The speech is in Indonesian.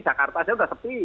jakarta aja sudah sepi